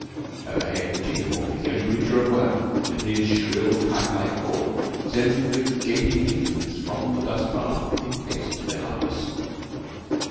Overhead the chicken hawk is the only creature at work, and his shrill kite like call sends the gaping chickens from the dust bath in haste to their mothers.